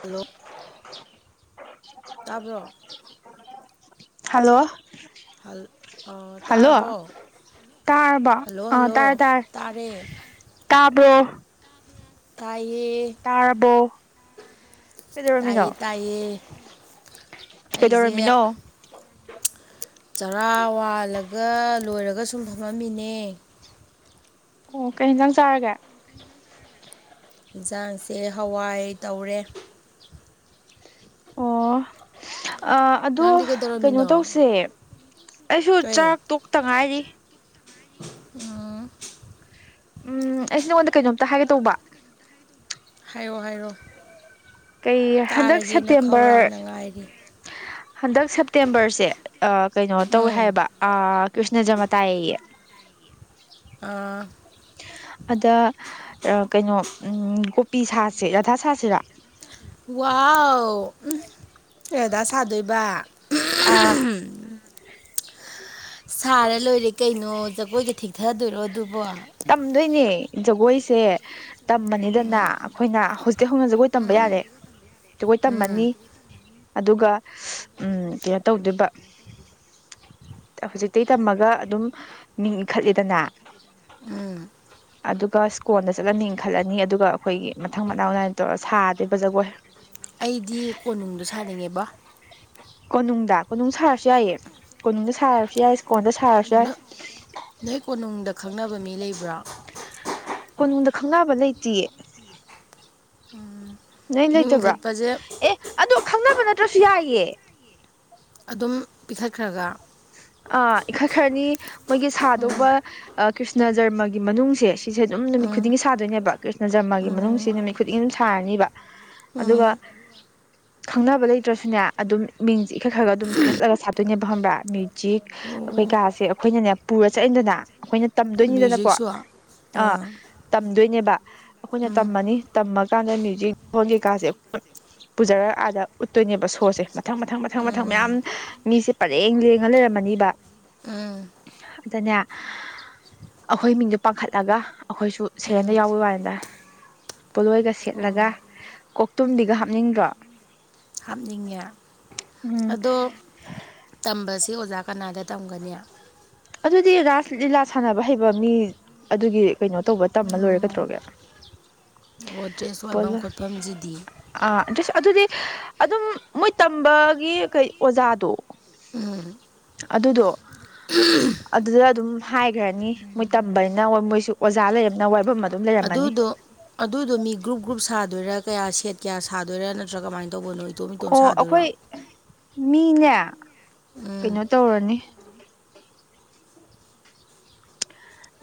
Hello ꯇꯥꯕ꯭ꯔꯣ [inaudible] hello ꯍꯜ ꯑ ꯍꯜꯂꯣ ꯇꯥꯔꯕꯣ ꯇꯥꯔꯕꯣ ꯍꯜꯂꯣ ꯍꯜꯂꯣ ꯇꯥꯔꯦ ꯇꯥꯕꯔꯣ ꯇꯥꯏꯌꯦ ꯇꯥꯔꯕꯣ ꯀꯩꯗꯧꯔꯝꯃꯤꯅꯣ ꯇꯥꯌꯦ ꯀꯩꯗꯧꯔꯝꯃꯤꯅꯣ꯫ ꯆꯔꯥ ꯋꯥꯜꯂꯒ ꯂꯣꯏꯔꯒ ꯁꯨꯝ ꯐꯝꯃꯝꯃꯤꯅꯦ꯫ ꯑꯣ ꯀꯩ ꯍꯦꯟꯖꯥꯡ ꯆꯥꯔꯒꯦ꯫ ꯌꯦꯟꯁꯥꯡꯁꯦ ꯍꯋꯥꯏ ꯇꯧꯔꯦ ꯑꯣ ꯑ ꯑꯗꯣ ꯅꯪꯗꯤ ꯀꯩꯅꯣ ꯀꯩꯗꯧꯔꯝꯃꯤꯅꯣ ꯇꯧꯁꯦ ꯑꯩꯁꯨ ꯀꯩ ꯆꯥꯛ ꯇꯣꯛꯇ ꯉꯥꯏꯔꯤ꯫ ꯎꯝ ꯎꯝ ꯑꯩꯁꯦ ꯅꯉꯣꯟꯗ ꯀꯩꯅꯣꯝꯇ ꯍꯥꯏꯒꯦ ꯇꯧꯕ ꯍꯥꯏꯌꯣ ꯍꯥꯏꯔꯣ ꯀꯩ ꯍꯟꯗꯛ ꯇꯥꯔꯒꯦꯅ ꯁꯦꯞꯇꯦꯝꯕꯔ ꯈꯧꯔꯥꯡꯅ ꯉꯥꯏꯔꯤ ꯍꯟꯗꯛ ꯁꯦꯞꯇꯦꯝꯕꯔꯁꯦ ꯑ ꯀꯩꯅꯣ ꯇꯧꯋꯦ ꯎꯝ ꯍꯥꯏꯌꯦꯕ ꯑ ꯀ꯭ꯔꯤꯁꯅ ꯖꯔꯃ ꯇꯥꯏꯌꯦꯌꯦ ꯑꯥ ꯑꯗ ꯑ ꯀꯩꯅꯣ ꯀꯣꯄꯤ ꯁꯥꯁꯦ ꯔꯥꯙꯥ ꯁꯥꯁꯤꯔ꯫ ꯋꯥꯎ ꯎꯝ ꯔꯙꯥ ꯁꯥꯗꯣꯏꯕ ꯑꯥ ꯁꯥꯔ ꯂꯣꯏꯔꯦ ꯀꯩꯅꯣ ꯖꯒꯣꯏꯒ ꯊꯤꯊꯗꯣꯏꯔꯣ ꯑꯗꯨꯕꯣ ꯇꯝꯗꯣꯏꯅꯦ ꯖꯒꯣꯏꯁꯦ ꯇꯝꯃꯅꯤꯗꯅ ꯑꯩꯈꯣꯏꯅ ꯍꯧꯖꯤꯛ ꯍꯧꯅ ꯖꯒꯣꯏ ꯇꯝꯕ ꯌꯥꯔꯦ ꯖꯒꯣꯏ ꯎꯝ ꯇꯝꯃꯅꯤ ꯑꯗꯨꯒ ꯎꯝ ꯀꯌꯥ ꯇꯧꯗꯣꯏꯕ ꯍꯧꯖꯤꯛꯇꯩ ꯇꯝꯃꯒ ꯑꯗꯨꯝ ꯃꯤꯡ ꯏꯟꯈꯠꯂꯦꯗꯅ ꯎꯝ [inaudible] ꯑꯗꯨꯒ ꯁ꯭ꯀꯣꯟꯜꯗ ꯆꯠꯂꯅꯤ ꯈꯜꯂꯅꯤ ꯑꯗꯨꯒ ꯑꯩꯈꯣꯏꯒꯤ ꯃꯊꯪ ꯃꯅꯥꯎ ꯅꯥꯏꯅ ꯇꯧꯔ ꯁꯥꯗꯦꯕ ꯖꯒꯣꯏ ꯑꯩꯗꯤ ꯀꯣꯅꯨꯡꯗꯣ ꯁꯥꯅꯤꯡꯉꯦꯕ ꯀꯣꯅꯨꯡꯗ ꯀꯣꯅꯨꯡ ꯁꯥꯔꯁꯨ ꯌꯥꯏꯌꯦ ꯀꯣꯅꯨꯡꯗ ꯁꯥꯔꯁꯨ ꯌꯥꯏ ꯁ꯭ꯀꯣꯟꯗ ꯁꯥꯔꯁꯨ ꯌꯥꯏ ꯅꯣꯏ ꯀꯣꯅꯨꯡꯗ ꯈꯪꯅꯕ ꯃꯤ ꯂꯩꯕ꯭ꯔꯥ ꯀꯣꯅꯨꯡꯗ ꯈꯪꯕ ꯂꯩꯇꯤꯌꯦ ꯎꯝ ꯅꯣꯏ ꯂꯩꯇꯕ꯭ꯔꯥ ꯑꯦ ꯑꯗꯣ ꯈꯪꯅꯕ ꯅꯠꯇ꯭ꯔꯥꯁꯨ ꯌꯥꯏꯌꯦ ꯑꯗꯨꯝ ꯄꯤꯈꯠꯈ꯭ꯔꯥꯒ ꯑꯥ ꯏꯈꯠ ꯈ꯭ꯔꯅꯤ ꯃꯣꯏꯒꯤ ꯎꯝ ꯁꯥꯗꯧꯕ ꯀ꯭ꯔꯤꯁꯅ ꯖꯔꯃꯒꯤ ꯃꯅꯨꯡꯁꯦ ꯁꯤꯁꯦ ꯑꯗꯨꯝ ꯅꯨꯃꯤꯠ ꯎꯝ ꯈꯨꯗꯤꯡꯒꯤ ꯁꯥꯗꯣꯏꯅꯦꯕ ꯀ꯭ꯔꯤꯁꯅ ꯖꯔꯃꯥꯒꯤ ꯎꯝ ꯃꯅꯨꯡꯁꯦ ꯅꯨꯃꯤꯠ ꯈꯨꯗꯤꯡ ꯁꯥꯔꯅꯤꯕ ꯑꯗꯨꯒ ꯎꯝ ꯈꯪꯅꯕ ꯂꯩꯇ꯭ꯔꯁꯨꯅꯦ ꯑꯗꯨꯝ ꯃꯤꯡꯁ ꯏꯈꯠ ꯈꯔ ꯒ ꯑꯗꯨꯝ ꯄꯤꯈꯠꯂꯒ ꯑꯗꯨꯝ ꯁꯥꯗꯣꯏꯅꯦꯕ ꯈꯪꯕ꯭ꯔꯥ ꯃꯤ ꯆꯤꯛ ꯑꯣ ꯑꯩꯈꯣꯏꯀꯥꯁꯦ ꯑꯩꯈꯣꯏꯅꯅꯦ ꯄꯨꯔ ꯆꯠꯂꯤꯗꯅ ꯑꯩꯈꯣꯏꯅ ꯇꯝꯗꯣꯏꯅꯤꯗꯅꯀꯣ ꯃ꯭ꯌꯨꯖꯤꯛꯁꯨ ꯑꯥ ꯑꯥ ꯎꯝ ꯇꯝꯗꯣꯏꯅꯦꯕ ꯑꯩꯈꯣꯏꯅ ꯇꯝꯃꯅꯤ ꯇꯝꯃꯀꯥꯟꯗ ꯃ꯭ꯌꯨꯖꯤꯛ ꯐꯣꯟ ꯀꯩꯀꯥꯁꯦ ꯄꯨꯖꯔꯛ ꯑꯥꯗ ꯎꯠꯇꯣꯏꯅꯦꯕ ꯁꯣꯁꯦ ꯃꯊꯪ ꯃꯊꯪ ꯃꯊꯪ ꯃꯊꯪ ꯎꯝ ꯃꯌꯥꯝ ꯃꯤꯁꯦ ꯄꯔꯦꯡ ꯂꯦꯡ ꯂꯩꯔꯝꯃꯅꯤꯕ ꯎꯝ ꯑꯗꯅꯦ ꯑꯥꯈꯣꯏ ꯃꯤꯡꯗꯣ ꯄꯥꯡꯈꯠꯂꯒ ꯑꯩꯈꯣꯏꯁꯨ ꯎꯝ ꯁꯦꯔꯦꯟꯗ ꯌꯥꯎꯕꯩ ꯋꯥꯅꯤꯗ ꯄꯣꯠꯂꯣꯏꯒ ꯑꯣ ꯁꯦꯠꯂꯒ ꯀꯣꯛꯇꯨꯝꯗꯤꯒ ꯍꯥꯞꯅꯤꯡꯗ꯭ꯔꯣ ꯍꯥꯞꯅꯤꯡꯉꯦ ꯎꯝ ꯑꯗꯣ ꯇꯝꯕꯁꯦ ꯑꯣꯖꯥ ꯀꯅꯥꯗ ꯇꯝꯒꯅꯤ ꯑꯗꯨꯗꯤ ꯔꯥꯁ ꯂꯤꯂꯥ ꯁꯥꯟꯅꯕ ꯍꯩꯕ ꯃꯤ ꯑꯗꯨꯒꯤ ꯀꯩꯅꯣ ꯇꯧꯕ ꯇꯝꯃ ꯂꯣꯏꯔꯦ ꯀꯩꯗꯧꯔꯒꯦ [unintelligible] ꯑꯣ ꯗ꯭ꯔꯦꯁ ꯋꯥꯏꯕꯝ ꯄꯣꯠꯂꯣꯏ ꯈꯣꯠꯐꯝ ꯖꯤꯗꯤ ꯑꯥ [unintelligible] ꯑꯗꯨꯗꯤ ꯑꯗꯨꯝ ꯃꯣꯏ ꯇꯝꯕꯒꯤ ꯀꯩ ꯑꯣꯖꯥꯗꯣ ꯎꯝ ꯑꯗꯨꯗꯣ ꯑꯗꯨꯗ ꯑꯗꯨꯝ ꯍꯥꯏꯒ꯭ꯔꯥꯅꯤ ꯃꯣꯏ ꯇꯝꯕꯅꯤꯅ ꯃꯣꯏꯁꯨ ꯑꯣꯖꯥ ꯂꯩꯔꯃꯤꯅ ꯋꯥꯏꯕꯝ ꯑꯗꯨꯗꯣ ꯑꯗꯨꯗꯣ ꯃꯤ ꯒ꯭ꯔꯨꯞ ꯒ꯭ꯔꯨꯞ ꯁꯥꯗꯣꯏꯔꯥ ꯀꯌꯥ ꯁꯦꯠ ꯀꯌꯥ ꯁꯥꯗꯣꯏꯔꯥ ꯅꯠꯇ꯭ꯔꯥ ꯀꯃꯥꯏ ꯑꯣ ꯑꯥꯈꯣꯏ ꯃꯤꯅꯦ ꯎꯝ ꯀꯩꯅꯣ ꯇꯧꯔꯅꯤ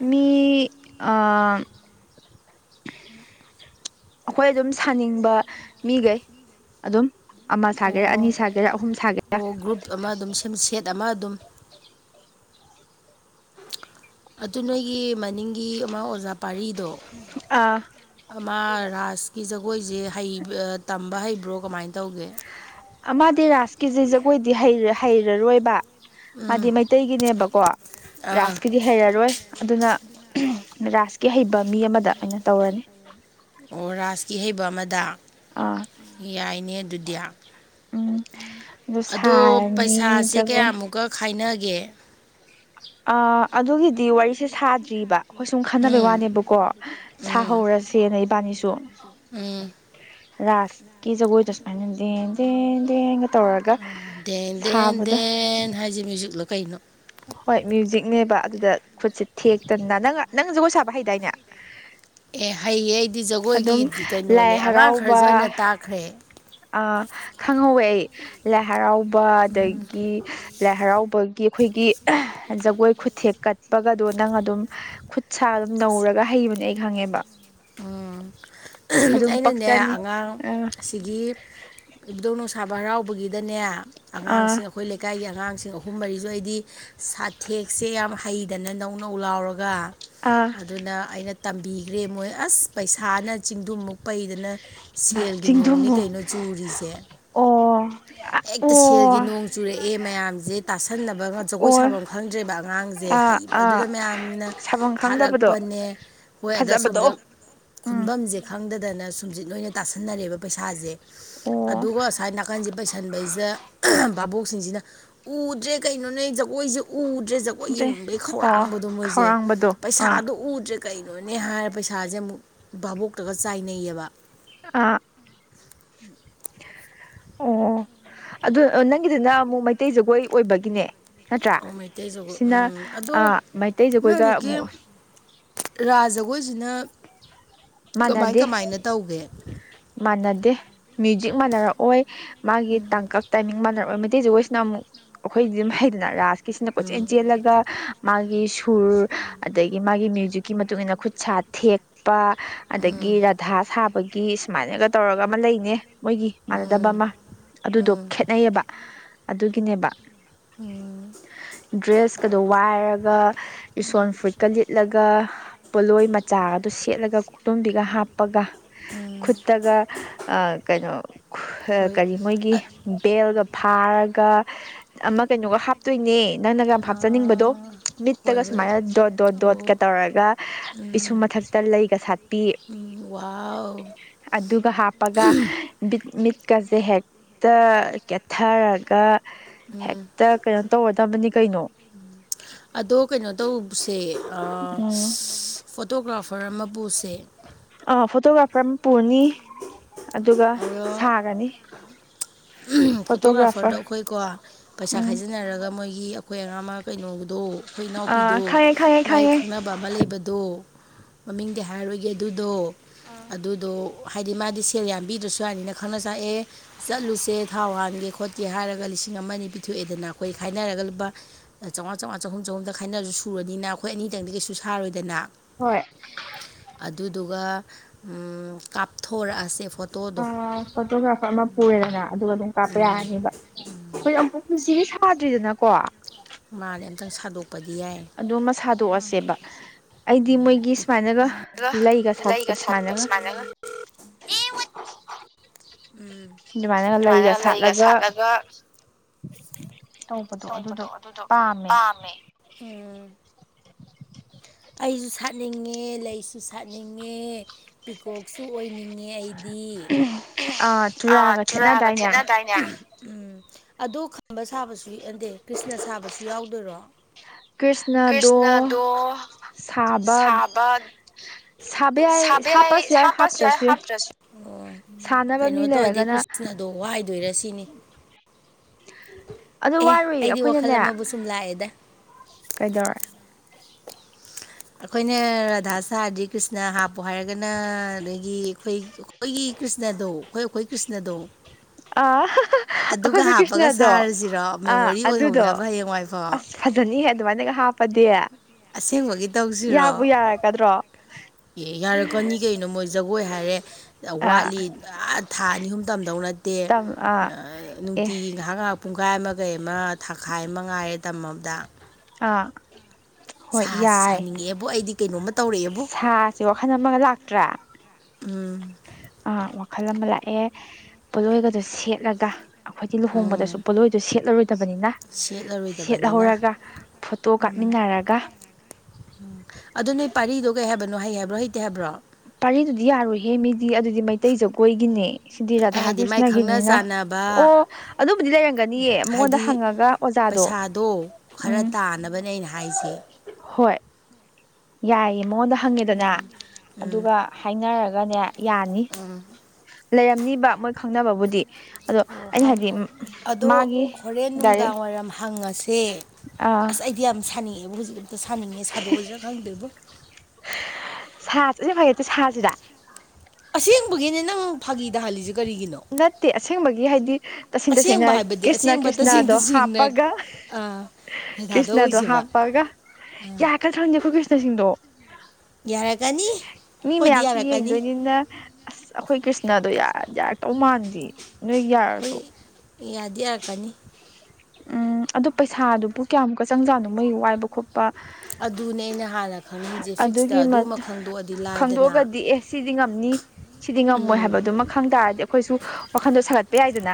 ꯃꯤ ꯑꯥ ꯑꯥꯈꯣꯏ ꯑꯗꯨꯝ ꯁꯥꯅꯤꯡꯕ ꯃꯤꯒꯩ ꯑꯗꯨꯝ ꯑꯃ ꯁꯥꯒꯦꯔꯥ ꯑꯅꯤ ꯑꯣ ꯁꯥꯒꯦꯔꯥ ꯑꯍꯨꯝ ꯁꯥꯒꯦꯔꯥ ꯑꯣ ꯒ꯭ꯔꯨꯞ ꯑꯃ ꯑꯗꯨꯝ ꯁꯦꯠ ꯑꯃ ꯑꯗꯨꯝ ꯑꯗꯨ ꯅꯣꯏꯒꯤ ꯃꯅꯤꯡꯒꯤ ꯃꯥ ꯑꯣꯖꯥ ꯄꯥꯔꯤꯗꯣ ꯑꯥ ꯑꯃ ꯔꯥꯁ ꯖꯒꯣꯏꯖꯦ ꯍꯩ ꯇꯝꯕ ꯍꯩꯕ꯭ꯔꯣ ꯀꯃꯥꯏꯅ ꯇꯧꯒꯦ ꯃꯥꯗꯤ ꯔꯥꯁꯀꯤꯖꯦ ꯖꯒꯣꯏꯗꯤ ꯍꯩꯔꯔꯣꯏꯕ ꯃꯥꯗꯤ ꯎꯝ ꯃꯩꯇꯩꯒꯤꯅꯦꯕꯀꯣ ꯑꯥ ꯔꯥꯁꯀꯤ ꯗꯤ ꯍꯩꯔꯔꯣꯏ ꯑꯗꯨꯅ ꯔꯥꯁꯀꯤ ꯍꯩꯕ ꯃꯤ ꯑꯃꯗ ꯑꯣꯏꯅ ꯇꯧꯔꯅꯤ ꯑꯣ ꯔꯥꯁꯀꯤ ꯍꯩꯕ ꯑꯃꯗ ꯑꯥ ꯌꯥꯏꯅꯦ ꯑꯗꯨꯗꯤ ꯎꯝ ꯑꯗꯨ ꯑꯗꯣ ꯁꯥꯔꯅꯤ ꯄꯩꯁꯥꯁꯦ ꯖꯒꯣꯏ ꯀꯌꯥꯃꯨꯛꯀ ꯈꯥꯏꯅꯒꯦ ꯑꯥ ꯑꯗꯨꯒꯤꯗꯤ ꯋꯥꯔꯤꯁꯦ ꯁꯥꯗ꯭ꯔꯤꯕ ꯈꯣꯏ ꯁꯨꯝ ꯈꯟꯅꯕꯩ ꯎꯝ ꯋꯥꯅꯦꯕꯀꯣ ꯎꯝ ꯁꯥꯍꯧꯔꯁꯦꯅ ꯏꯕꯥꯅꯤꯁꯨ ꯎꯝ ꯔꯥꯁꯀꯤ ꯖꯒꯣꯏꯗꯣ ꯁꯨꯃꯥꯏꯅ ꯗꯦꯟ ꯗꯦꯟ ꯗꯦꯡꯒ ꯇꯧꯔꯒ ꯗꯦꯟ ꯗꯦꯟ ꯁꯥꯕꯗꯣ ꯗꯦꯟ ꯍꯥꯏꯁꯦ ꯃ꯭ꯌꯨꯖꯤꯛꯂꯣ ꯀꯩꯅꯣ ꯍꯣꯏ ꯃ꯭ꯌꯨꯖꯤꯛꯅꯦꯕ ꯑꯗꯨꯗ ꯈꯨꯠꯁꯦ ꯊꯦꯛꯇꯅ ꯅꯪ ꯅꯪ ꯖꯒꯣꯏ ꯁꯥꯕ ꯍꯩꯗꯥꯏꯅꯦ ꯑꯦ ꯍꯩꯌꯦ ꯑꯩꯗꯤ ꯑꯗꯨꯝ ꯖꯒꯣꯏꯒꯤꯗꯤ ꯂꯥꯏ ꯀꯩꯅꯣꯅꯦ ꯑꯉꯥꯡ ꯈꯔꯁꯨ ꯑꯩꯅ ꯇꯥꯛꯈ꯭ꯔꯦ ꯑ ꯈꯪꯍꯧꯋꯦ ꯑꯩ ꯂꯥꯏ ꯍꯔꯥꯎꯕ ꯑꯗꯒꯤ ꯂꯥꯏ ꯍꯔꯥꯎꯕꯒꯤ ꯑꯈꯣꯏꯒꯤ ꯖꯒꯣꯏ ꯈꯨꯊꯦꯛ ꯀꯠꯄꯒꯗꯣ ꯅꯪ ꯑꯗꯨꯝ ꯈꯨꯠ ꯁꯥ ꯑꯗꯨꯝ ꯅꯧꯔꯒ ꯍꯩꯕꯅꯦ ꯑꯩ ꯈꯪꯉꯦꯕ ꯎꯝ ꯑꯗꯨꯝ ꯑꯩꯅꯅꯦ ꯄꯛꯆꯅꯤ ꯑꯉꯥꯡ ꯑꯥ ꯁꯤꯒꯤ ꯏꯕꯨꯗꯧ ꯅꯨꯡꯁꯥꯕ ꯍꯔꯥꯎꯕꯒꯤꯗꯅꯦ ꯑꯥ ꯑꯉꯥꯡꯁꯦ ꯑꯈꯣꯏ ꯂꯩꯀꯥꯏꯒꯤ ꯑꯉꯥꯡꯁꯤꯡ ꯑꯍꯨꯝ ꯃꯔꯤꯁꯨ ꯑꯩꯗꯤ ꯁꯥꯊꯦꯛꯁꯦ ꯌꯥꯝ ꯍꯩ ꯗꯅ ꯅꯧꯅꯧ ꯂꯥꯎꯔꯒ ꯑꯥ ꯑꯗꯨꯅ ꯑꯩꯅ ꯇꯝꯕꯤꯈ꯭ꯔꯦ ꯃꯣꯏ ꯑꯁ ꯄꯩꯁꯥꯅ ꯆꯤꯡꯗꯨꯃꯨꯛ ꯄꯩꯗꯅ ꯁꯦꯜꯒꯤ ꯅꯣꯡꯅꯤ ꯆꯤꯡꯗꯨꯝꯃꯨ ꯀꯩꯅꯣ ꯆꯨꯔꯤꯁꯦ ꯑꯣ ꯍꯦꯛꯇ ꯑꯣ ꯁꯦꯜꯒꯤ ꯅꯣꯡ ꯆꯨꯔꯛꯑꯦ ꯃꯌꯥꯝꯁꯦ ꯇꯥꯁꯟꯅꯕꯒ ꯖꯒꯣꯏ ꯑꯣ ꯁꯥꯐꯝ ꯈꯪꯗ꯭ꯔꯤꯕ ꯑꯉꯥꯡꯁꯦ ꯑꯥ ꯑꯥ ꯍꯩꯕꯗꯨꯗ ꯃꯌꯥꯝꯅ ꯁꯥꯐꯝ ꯈꯪꯗꯕꯗꯣ ꯊꯥꯔꯛꯄꯅꯦ ꯍꯣꯏ ꯑꯗ ꯐꯖꯕꯗꯣ ꯁꯣꯝꯗ ꯎꯝ ꯈꯨꯟꯕꯝꯁꯦ ꯈꯪꯗꯗꯅ ꯁꯨꯝꯁꯤꯠꯅ ꯑꯣꯏꯅ ꯇꯥꯁꯟꯅꯔꯦꯕ ꯄꯩꯁꯥꯁꯦ ꯑꯣ ꯑꯗꯨꯒ ꯑꯁꯥꯏ ꯅ ꯀꯥꯟꯁꯤ ꯄꯩꯁꯟꯕꯁꯤꯗ ꯚꯥꯕꯣꯛꯁꯤꯡꯁꯤꯅ ꯎꯗ꯭ꯔꯦ ꯀꯩꯅꯣꯅꯦ ꯖꯒꯣꯏꯁꯦ ꯎꯗ꯭ꯔꯦ ꯖ ꯒꯣꯏ ꯗ꯭ꯔꯦ ꯌꯦꯡꯅꯤꯡꯕꯩ ꯑꯣ ꯈꯧꯔꯥꯡꯕꯗꯣ ꯃꯣꯏꯁꯦ ꯈꯧꯔꯥꯡꯕꯗꯣ ꯑꯥ ꯄꯩꯁꯥꯗꯣ ꯎꯗ꯭ꯔꯦ ꯀꯩꯅꯣꯅꯦ ꯍꯥꯏꯔ ꯄꯩꯁꯥꯁꯦ ꯑꯃꯨꯛ ꯚꯥꯕꯣꯛꯇꯒ ꯆꯥꯏꯅꯩꯌꯦꯕ ꯑꯥ ꯑꯣ ꯑꯗꯨ ꯑ ꯅꯪꯒꯤꯗꯨꯅ ꯑꯃꯨꯛ ꯃꯩꯇꯩ ꯖꯒꯣꯏ ꯑꯣꯏꯕꯒꯤꯅꯦ ꯅꯠꯇ꯭ꯔꯥ ꯑꯣ ꯃꯩꯇꯩ ꯖꯒꯣꯏ ꯁꯤꯅ ꯎꯝ ꯑ ꯑꯗꯣ ꯃꯩꯇꯩꯖꯈꯣꯏꯒ ꯑꯃꯨꯛ ꯔꯥꯖꯖꯒꯣꯏꯁꯤꯅ ꯀꯃꯥꯏ ꯃꯥꯟꯅꯗꯦ ꯀꯃꯥꯏꯅ ꯇꯧꯒꯦ ꯃꯥꯟꯅꯗꯦ ꯃ꯭ꯌꯨꯖꯤꯛ ꯃꯥꯟꯅꯔꯛꯑꯣꯏ ꯃꯥꯒꯤ ꯇꯥꯡꯀꯛ ꯇꯥꯏꯃꯤꯡ ꯃꯥꯟꯅꯔꯛ ꯑꯣꯏ ꯃꯩꯇꯩ ꯖꯒꯣꯏꯁꯤꯅ ꯑꯃꯨꯛ ꯑꯩꯈꯣꯏ ꯑꯗꯨꯝ ꯍꯩꯗꯅ ꯔꯥꯁꯀꯤꯁꯤꯅ ꯀꯣꯏꯆꯦꯟ ꯎꯝ ꯆꯦꯜꯂꯒ ꯃꯥꯒꯤ ꯁꯨꯔ ꯑꯗꯒꯤ ꯃꯥꯒꯤ ꯃ꯭ꯌꯨꯖꯤꯛꯀꯤ ꯃꯇꯨꯡꯏꯟꯅ ꯈꯨꯠ ꯁꯥ ꯊꯦꯛ ꯄ ꯑꯗꯒꯤ ꯎꯝ ꯔꯥꯙꯥ ꯁꯥꯕꯒꯤ ꯁꯨꯃꯥꯏꯅꯒ ꯇꯧꯔꯒ ꯑꯃ ꯂꯩꯅꯦ ꯃꯣꯏꯒꯤ ꯃꯥꯟꯅꯗꯕ ꯎꯝ ꯑꯃ ꯑꯗꯨꯗꯣ ꯎꯝ ꯈꯦꯠꯅꯩꯌꯦꯕ ꯑꯗꯨꯒꯤꯅꯦꯕ ꯎꯝ ꯗ꯭ꯔꯦꯁꯀꯗꯣ ꯋꯥꯏꯔꯒ ꯏꯁꯣꯟ ꯐꯨꯔꯤꯠꯀ ꯂꯤꯠꯂꯒ ꯄꯣꯠꯂꯣꯏ ꯃꯆꯥ ꯑꯗꯨ ꯁꯦꯠꯂꯒ ꯈꯨꯛꯇꯣꯝꯕꯤꯒ ꯍꯥꯞꯄꯒ ꯎꯝ ꯈꯨꯠꯇꯒ ꯑ ꯀꯩꯅꯣ ꯍꯣꯏ ꯀꯔꯤ ꯃꯣꯏꯒꯤ ꯕꯦꯜꯒ ꯐꯥꯔꯒ ꯑꯃ ꯀꯩꯅꯣꯒ ꯍꯥꯞ ꯇꯣꯏꯅꯦ ꯅꯪꯅꯒ ꯑ ꯍꯥꯞꯆꯅꯤꯡꯕꯗꯣ ꯃꯤꯠꯇꯒ ꯍꯣꯏ ꯍꯣꯏ ꯁꯨꯃꯥꯏꯅ ꯗꯣꯠ ꯗꯣꯠ ꯗꯣꯠꯀ ꯑꯣ ꯇꯧꯔꯒ ꯄꯤꯁꯨꯝ ꯎꯝ ꯃꯊꯛꯇ ꯂꯩꯒ ꯁꯥꯠꯄꯤ ꯎꯝ ꯋꯥꯎ ꯑꯗꯨꯒ ꯍꯥꯞꯄꯒ ꯕꯤꯠ ꯃꯤꯠꯀꯁꯦ ꯍꯦꯛ ꯇ ꯀꯦꯠꯊꯔꯒ ꯎꯝ ꯍꯦꯛꯇ ꯀꯩꯅꯣ ꯇꯧꯒꯗꯕꯅꯤ ꯀꯩꯅꯣ ꯑꯗꯣ ꯀꯩꯅꯣ ꯇꯧꯕꯁꯦ ꯑ ꯎꯝ ꯐꯣꯇꯣꯒ꯭ꯔꯥꯐꯔ ꯑꯃ ꯄꯨꯁꯦ ꯑ ꯐꯣꯇꯣꯒ꯭ꯔꯥꯐꯔ ꯑꯃ ꯄꯨꯅꯤ ꯑꯗꯨꯒ ꯑꯗꯣ ꯁꯥꯒꯅꯤ ꯐꯣꯇꯣꯒ꯭ꯔꯥꯐꯔꯗꯣ ꯐꯣꯇꯣꯒ꯭ꯔꯥꯐꯔ ꯑꯈꯣꯏꯀꯣ ꯄꯩꯁꯥ ꯎꯝ ꯈꯥꯏꯖꯤꯟꯅꯔꯒ ꯃꯣꯏꯒꯤ ꯑꯩꯈꯣꯏ ꯑꯉꯥꯡ ꯑꯃ ꯀꯩꯅꯣꯗꯣ ꯑꯩꯈꯣꯏ ꯑꯥ ꯏꯅꯥꯎꯄꯤꯗꯣ ꯈꯪꯉꯦ ꯈꯪꯉꯦ ꯃꯥꯏ ꯈꯪꯉꯦ ꯈꯪꯅꯕ ꯕꯥ ꯑꯃ ꯂꯩꯕꯗꯣ ꯃꯃꯤꯡꯗꯤ ꯍꯥꯏꯔꯣꯏꯒꯦ ꯑꯗꯨꯗꯣ ꯑꯗꯨꯗꯣ ꯍꯥꯏꯗꯤ ꯃꯥꯗꯤ ꯁꯦꯜ ꯌꯥꯝꯕꯤꯗ꯭ꯔꯁꯨ ꯌꯥꯅꯤꯅ ꯈꯪꯅ ꯆꯥꯟꯅ ꯑꯦ ꯆꯠꯂꯨꯁꯤ ꯇꯦ ꯊꯥꯎ ꯍꯥꯟꯒꯦ- ꯈꯣꯠꯀꯦ ꯍꯥꯏꯔꯒ ꯂꯤꯁꯤꯡ ꯑꯃ ꯑꯅꯤ ꯄꯤꯊꯣꯛꯑꯦꯗꯅ ꯑꯩꯈꯣꯏ ꯈꯥꯏꯅꯔꯒ ꯂꯨꯄꯥ ꯑꯥ ꯆꯥꯝꯉꯥ ꯆꯥꯝꯉꯥ ꯆꯍꯨꯝ ꯆꯍꯨꯝꯗ ꯈꯥꯏꯅꯔꯖꯨ ꯁꯨꯔꯅꯤꯅ ꯑꯩꯈꯣꯏ ꯑꯅꯤꯗꯪꯗꯤ ꯀꯩꯁꯨ ꯁꯥꯔꯣꯏꯗꯅ ꯍꯣꯏ ꯑꯗꯨꯗꯨꯒ ꯎꯪꯎꯪ ꯀꯥꯞꯊꯣꯔꯛꯑꯁꯦ ꯐꯣꯇꯣꯗꯣ ꯑꯥ ꯐꯣꯇꯣꯒ꯭ꯔꯥꯐꯔ ꯑꯃ ꯄꯨꯔꯦꯗꯅ ꯑꯗꯨꯒ ꯑꯗꯨꯝ ꯀꯥꯞꯄ ꯌꯥꯔꯅꯤꯕ ꯑꯩꯈꯣꯏ ꯑꯃꯨꯛ ꯄꯨꯟꯁꯤꯒꯤ ꯁꯥꯗ꯭ꯔꯤꯗꯅꯀꯣ ꯃꯥꯅꯦ ꯑꯝꯇꯪ ꯁꯥꯗꯣꯛꯄꯗꯤ ꯌꯥꯏ ꯑꯗꯨ ꯃꯥ ꯁꯥꯥꯗꯣꯛꯑꯁꯦꯕ ꯑꯩꯗꯤ ꯃꯣꯏꯒꯤ ꯁꯨꯃꯥꯏꯅꯒ ꯑꯗꯨꯒ ꯂꯩꯒ ꯁꯥꯠꯄꯗ ꯁꯨꯃꯥꯏꯅꯒ ꯎꯝ ꯑꯗꯨꯃꯥꯏꯅꯒ ꯂꯩꯒ ꯁꯥꯠꯂꯒ ꯇꯧꯕꯗꯣ ꯑꯗꯨꯗꯣ ꯄꯥꯝꯃꯦ ꯎꯪꯎꯪ ꯑꯩꯖꯨ ꯁꯥꯠꯅꯤꯡꯉꯦ ꯂꯩꯁꯨ ꯁꯥꯠꯅꯤꯡꯉꯦ ꯄꯤꯀꯣꯛꯁꯨ ꯑꯣꯏꯅꯤꯡꯉꯦ ꯑꯩꯗꯤ ꯑꯥ ꯆꯨꯔꯒ ꯊꯦꯠꯅꯗꯥꯏꯅꯦ ꯎꯝ ꯑꯗꯣ ꯈꯝꯕ ꯁꯥꯕꯖꯨ ꯌꯦꯟꯗꯦ ꯀ꯭ꯔꯤꯁꯅꯥ ꯁꯥꯕꯖꯨ ꯌꯥꯎꯗꯣꯏꯔꯣ ꯀ꯭ꯔꯤꯁꯅꯗꯣ ꯀ꯭ꯔꯤꯁꯅꯥꯗꯣ ꯁꯥꯕ ꯁꯥꯕ ꯌꯥꯏ ꯍꯥꯞꯄꯁꯨ ꯌꯥꯏ ꯍꯥꯞꯇ꯭ꯔꯁꯨ ꯎꯪ ꯎꯪ ꯁꯥꯟꯅꯕ ꯀꯩꯅꯣ ꯃꯤ ꯇꯧꯔꯗꯤ ꯂꯩꯔꯒꯅ ꯀ꯭ꯔꯤꯁꯅꯥꯗꯣ ꯋꯥꯏꯗꯣꯏꯔ ꯁꯤꯅꯤ ꯑꯗꯨ ꯑꯦ ꯋꯥꯔꯨꯏ ꯑꯩꯗꯤ ꯋꯥꯈꯜ ꯑꯩꯈꯣꯏꯅꯅꯦ ꯑꯃꯕꯨ ꯁꯨꯝ ꯂꯥꯛꯑꯦꯗ ꯀꯩꯗꯧꯔꯦ ꯑꯩꯈꯣꯏꯅ ꯔꯥꯙꯥ ꯁꯥꯔꯗꯤ ꯀ꯭ꯔꯤꯁꯅꯥ ꯍꯥꯞꯄꯣ ꯍꯥꯏꯔꯒꯅꯥ ꯑꯗꯒꯤ ꯑꯩꯈꯣꯏ ꯑꯩꯈꯣꯏꯒꯤ ꯀ꯭ꯔꯤꯁꯅꯥꯗꯣ ꯑꯩꯈꯣꯏ ꯑꯩꯈꯣꯏ ꯀ꯭ꯔꯤꯁꯅꯥꯗꯣ ꯑꯥ ꯑꯗꯨꯒ ꯑꯩꯈꯣꯏꯈꯣꯏ ꯍꯥꯞꯄꯒ ꯀ꯭ꯔꯤꯁꯅꯗꯣ ꯁꯥꯔꯁꯤꯔꯣ ꯑꯥ ꯃꯦꯃꯣꯔꯤ ꯑꯗꯨꯗꯣ ꯑꯣꯏꯍꯧꯅꯕ ꯍꯌꯦꯡꯋꯥꯏꯐꯥꯎ ꯑꯁ ꯐꯖꯅꯤꯍꯦ ꯑꯗꯨꯃꯥꯏꯅꯒ ꯍꯥꯞꯄꯗꯤ ꯑꯁꯦꯡꯕꯒꯤ ꯇꯧꯖꯤꯔꯣ ꯌꯥꯕꯨ ꯌꯥꯔꯛꯀꯗ꯭ꯔꯣ ꯑꯦ ꯌꯥꯔꯛꯀꯅꯤ ꯀꯩꯅꯣ ꯃꯣꯏ ꯖꯒꯣꯏ ꯍꯥꯏꯔꯦ ꯑꯥ ꯋꯥꯠꯂꯤ ꯑꯥ ꯊꯥ ꯑꯅꯤ ꯑꯍꯨꯝ ꯇꯝꯗꯧ ꯅꯠꯇꯦ ꯇꯝ ꯑꯥ ꯑꯥꯑ ꯑꯦ ꯅꯨꯡꯇꯤꯒꯤ ꯉꯥꯏꯍꯥꯛ ꯉꯥꯏꯍꯥꯛ ꯄꯨꯡꯈꯥꯏ ꯑꯃ ꯀꯩ ꯑꯃ ꯊꯥꯈꯥꯏ ꯑꯃ ꯉꯥꯏꯔꯦ ꯇꯝꯃꯕꯗ ꯑꯥ ꯍꯣꯏ ꯁꯥꯁꯤ ꯌꯥꯏ ꯁꯥꯅꯤꯡꯉꯛꯑꯦꯕꯣ ꯑꯩꯗꯤ ꯀꯩꯅꯣꯝꯃ ꯇꯧꯔꯛꯑꯦꯕꯨ ꯁꯤ ꯋꯥꯈꯜ ꯑꯃꯒ ꯂꯥꯛꯇ꯭ꯔꯥ ꯎꯪ ꯑꯥ ꯋꯥꯈꯜ ꯑꯃ ꯂꯥꯛꯑꯦ ꯄꯣꯠꯂꯣꯏꯒꯗꯣ ꯁꯦꯠꯂꯒ ꯑꯩꯈꯣꯏꯗꯤ ꯂꯨꯍꯣꯡꯕꯗꯁꯨ ꯄꯣꯠꯂꯣꯏꯗꯣ ꯁꯦꯠꯂꯔꯣꯏꯗꯕꯅꯤꯅ ꯁꯦꯠꯂꯔꯣꯏ ꯁꯦꯠꯍꯧꯔꯒ ꯐꯣꯇꯣ ꯀꯥꯞꯃꯤꯟꯅꯔꯒ ꯎꯪ ꯑꯗꯣ ꯅꯣꯏ ꯄꯥꯔꯤꯗꯣ ꯀꯩ ꯍꯥꯏꯕꯅꯣ ꯍꯩ ꯍꯥꯏꯕ꯭ꯔꯣ ꯍꯩꯇꯦ ꯍꯥꯏꯕ꯭ꯔꯣ ꯄꯔꯤꯗꯨꯗꯤ ꯌꯥꯔꯣꯏꯍꯦ ꯃꯤꯗꯤ ꯑꯗꯨꯗꯤ ꯃꯩꯇꯩ ꯖꯒꯣꯏꯒꯤꯅꯦ ꯁꯤꯗꯤ ꯑꯩ ꯔꯥꯙꯥ ꯍꯥꯏꯗꯤ ꯃꯥꯏ ꯈꯪꯅ ꯀ꯭ꯔꯤꯁꯅꯥꯒꯤꯅꯤꯅ ꯆꯥꯟꯅꯕ ꯑꯣ ꯑꯗꯨꯕꯨꯗꯤ ꯂꯩꯔꯝꯒꯅꯤꯌꯦ ꯃꯉꯣꯟꯗ ꯍꯥꯏꯗꯤ ꯍꯪꯉꯒ ꯑꯣꯖꯥꯗꯣ ꯄꯩꯁꯥꯗꯣ ꯈꯔ ꯎꯝ ꯇꯥꯅꯕꯅꯦ ꯑꯩꯅ ꯍꯥꯏꯖꯦ ꯍꯣꯏ ꯌꯥꯏꯌꯦ ꯃꯉꯣꯟꯗ ꯍꯪꯉꯦꯗꯅ ꯎꯝ ꯑꯗꯨꯒ ꯍꯥꯏꯅꯔꯒꯅꯦ ꯌꯥꯅꯤ ꯎꯝ ꯂꯩꯔꯝꯅꯤꯕ ꯃꯣꯏ ꯈꯪꯅꯕꯕꯨꯗꯤ ꯑꯗꯣ ꯑꯩꯅ ꯍꯥꯏꯗꯤ ꯑꯗꯣ ꯃꯥꯒꯤ ꯍꯣꯔꯦꯟ ꯗꯥꯏꯔꯦꯛ ꯅꯨꯡꯗꯥꯡꯋꯥꯏꯔꯝ ꯍꯪꯉꯁꯦ ꯑ ꯑꯁ ꯑꯩꯗꯤ ꯌꯥꯝ ꯁꯥꯅꯤꯡꯉꯦꯕ ꯍꯧꯖꯤꯛ ꯑꯝꯇ ꯁꯥꯅꯤꯡꯉꯦ ꯁꯥꯗꯣꯛꯎꯁꯤꯔ ꯈꯪꯗꯦꯕꯣ [unintelligible] ꯐꯩꯌꯦ ꯁꯥꯁꯤꯔ ꯑꯁꯦꯡꯕꯒꯤꯅꯦ ꯅꯪ ꯐꯥꯒꯤꯗꯍꯜꯂꯤꯁꯦ ꯀꯔꯤꯒꯤꯅꯣ ꯅꯠꯇꯦ ꯑꯁꯦꯡꯕꯒꯤ ꯍꯥꯏꯗꯤ ꯇꯁꯦꯡ ꯇꯁꯦꯡꯅ ꯑꯁꯦꯡꯕ ꯍꯥꯏꯕꯗꯤ ꯀ꯭ꯔꯤꯁꯅ ꯑꯁꯦꯡꯕ ꯇꯁꯦꯡ ꯀ꯭ꯔꯤꯁꯅꯗꯣ ꯇꯁꯦꯡꯅ ꯍꯥꯞꯄꯒ ꯑꯥ ꯔꯙꯥꯗꯣ ꯀ꯭ꯔꯤꯁꯅꯗꯣ ꯑꯣꯏꯁꯦꯕ ꯍꯥꯞꯄꯒ ꯑꯥ ꯌꯥꯒꯗꯋꯣꯅꯦ ꯑꯩꯈꯣꯏ ꯀ꯭ꯔꯤꯁꯅꯁꯤꯡꯗꯣ ꯌꯥꯔꯛꯀꯅꯤ ꯃꯤ ꯑꯩꯈꯣꯏꯗꯤ ꯃꯌꯥꯝꯁꯨ ꯌꯥꯔꯛꯀꯅꯤ ꯌꯦꯡꯗꯣꯏꯅꯤꯅ ꯑꯁ ꯑꯩꯈꯣꯏ ꯀ꯭ꯔꯤꯁꯅꯗꯣ ꯌꯥꯔ ꯌꯥꯔꯛꯇꯧ ꯃꯥꯟꯗꯦ ꯅꯣꯏ ꯈꯣꯏ ꯌꯥꯔꯁꯨ ꯌꯥꯗꯤ ꯌꯥꯔꯛꯀꯅꯤ ꯎꯝ ꯑꯗꯨ ꯄꯩꯁꯥꯗꯨꯕꯨ ꯀꯌꯥꯃꯨꯛꯀ ꯆꯪꯖꯥꯠꯅꯣ ꯃꯣꯏ ꯋꯥꯏꯕ ꯈꯣꯠꯄ ꯑꯗꯨꯅꯦ ꯑꯩꯅ ꯍꯥꯟꯅ ꯈꯪꯅꯤꯡꯉꯤꯁꯦ ꯐꯤꯛꯁꯇ ꯑꯗꯨꯒꯤ ꯑꯗꯨꯃ ꯈꯪꯗꯣꯛꯑꯗꯤ ꯂꯥꯏꯗꯅ ꯈꯪꯗꯣꯛꯑꯒꯗꯤ ꯑꯦ ꯁꯤꯗꯤ ꯉꯝꯅꯤ ꯁꯤꯗꯤ ꯉꯝꯃꯣꯏ ꯎꯝ ꯍꯥꯏꯕꯗꯨꯃ ꯈꯪ ꯇꯥꯔꯗꯤ ꯑꯩꯈꯣꯏꯁꯨ ꯋꯥꯈꯟꯗꯣ ꯁꯥꯒꯠꯄ ꯌꯥꯏꯗꯅ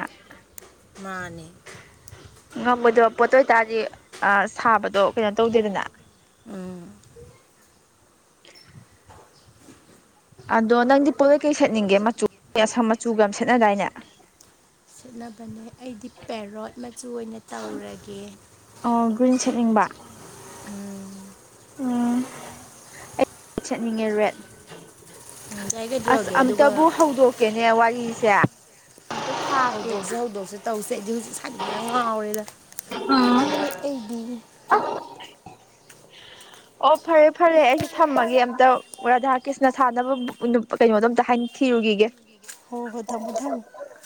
ꯃꯥꯅꯤ ꯉꯝꯃꯣꯏꯗꯕ ꯄꯣꯠꯇ ꯑꯣꯏꯇꯥꯔꯗꯤ ꯁꯥꯕꯗꯣ ꯀꯩꯅꯣ ꯇꯧꯗꯦꯗꯅ ꯎꯝ ꯑꯗꯣ ꯅꯪꯗꯤ ꯄꯣꯂꯣꯏ ꯀꯩ ꯁꯦꯠꯅꯤꯡꯒꯦ ꯃꯆꯨ ꯆꯨꯒ ꯌꯥꯝ ꯁꯦꯠꯅꯗꯥꯏꯅꯦ ꯁꯦꯠꯅꯕꯅꯦ ꯑꯩꯗꯤ ꯄꯦꯔꯣꯠ ꯃꯆꯨ ꯑꯣꯏꯅ ꯇꯧꯔꯒꯦ ꯒ꯭ꯨꯔꯤꯟ ꯁꯦꯠꯅꯤꯡꯕ ꯎꯝ ꯎꯝ ꯑꯩ ꯁꯦꯠꯅꯤꯡꯉꯦ ꯔꯦꯠ ꯎꯝ ꯌꯥꯏ ꯑꯁ ꯀꯩꯗꯧꯔꯒꯦ ꯑꯗꯨꯒ ꯑꯨꯝꯇꯕꯨ ꯍꯧꯗꯣꯛꯀꯦꯅꯦ ꯋꯥꯔꯤꯁꯦ ꯁꯥꯁꯦꯅ ꯍꯧꯗꯣꯛꯁꯦ ꯍꯧꯗꯣꯛꯁꯦ ꯇꯧꯁꯦ ꯑꯩꯗꯤ ꯍꯧꯖꯤꯛ ꯁꯥꯅꯤꯡꯕꯅ ꯉꯥꯎꯔꯦꯗ ꯉꯥꯎꯔꯦ ꯑꯩꯗꯤ ꯑꯣ ꯐꯔꯦ ꯐꯔꯦ ꯑꯩꯁꯨ ꯊꯝꯃꯒꯦ ꯑꯝꯇ ꯔꯥꯙꯥ ꯀ꯭ꯔꯤꯁꯅ ꯁꯥꯟꯅꯕ ꯀꯩꯅꯣꯗꯣ ꯑꯝꯇ ꯍꯥꯏ ꯊꯤꯔꯨꯈꯤꯒꯦ ꯍꯣ ꯍꯣ ꯊꯝꯃꯣ ꯊꯝꯃꯣ ꯑ